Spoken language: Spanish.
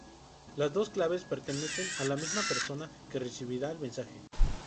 Las dos claves pertenecen a la misma persona que recibirá el mensaje.